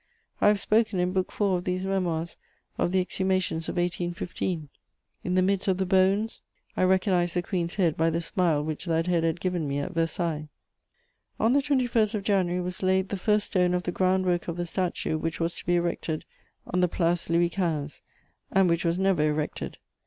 I have spoken, in Book IV. of these Memoirs, of the exhumations of 1815. In the midst of the bones, I recognised the Queen's head by the smile which that head had given me at Versailles. [Sidenote: The 21st of January.] On the 21st of January, was laid the first stone of the ground work of the statue which was to be erected on the Place Louis XV., and which was never erected.